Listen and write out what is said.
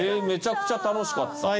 めちゃくちゃ楽しかった。